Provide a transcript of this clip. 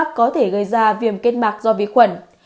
viêm kết mạc có thể gây ra viêm kết mạc do vi khuẩn